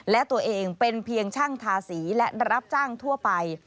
และตัวเองเป็นเพียงช่างทาสีและรับจ้างทั่วไป